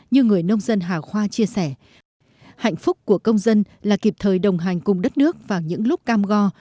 như người nông dân hà khoa chia sẻ hạnh phúc của công dân là kịp thời đồng hành cùng đất nước vào những lúc cam go